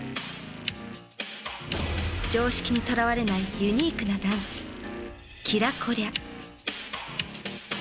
常識にとらわれないユニークなダンス「キラコリャ」。